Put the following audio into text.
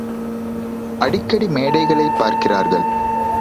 அடிக்கடி மேடைகளைப் பார்க்கிறார்கள்!